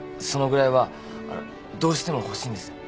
そのぐらいはあのどうしても欲しいんです。